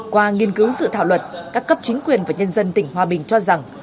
qua nghiên cứu sự thảo luật các cấp chính quyền và nhân dân tỉnh hòa bình cho rằng